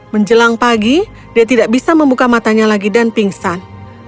menjelang pagi dia tidak bisa membuka matanya lagi dan pingsan